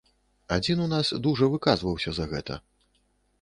Адзін у нас дужа выказваўся за гэта.